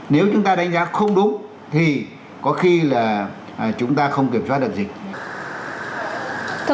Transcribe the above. nếu chúng ta đánh giá không đúng thì có khi là chúng ta không kiểm soát được dịch